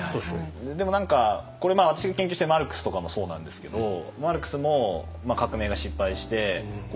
でも何かこれ私が研究しているマルクスとかもそうなんですけどマルクスも革命が失敗して亡命者になってイギリスに行って。